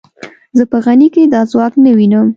زه په غني کې دا ځواک نه وینم.